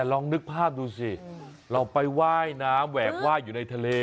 ลองนึกภาพดูสิเราไปว่ายน้ำแหวกว่ายอยู่ในทะเล